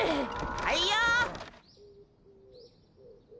はいよ！